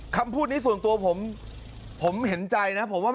คำพูดนี้ส่วนตัวผมผมเห็นใจนะผมว่า